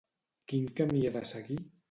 Quin camí he de seguir?